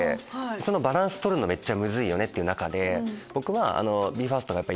そのバランス取るのめっちゃムズいっていう中で。